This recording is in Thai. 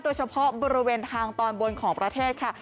โดยเฉพาะบริเวณทางตอนบนของประเทศค่ะ